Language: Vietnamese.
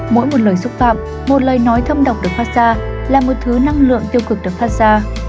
mỗi một lời xúc phạm một lời nói thâm độc được phát ra là một thứ năng lượng tiêu cực được phát ra